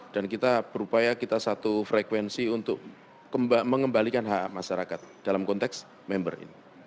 kita berupaya kita satu frekuensi untuk mengembalikan hak masyarakat dalam konteks member ini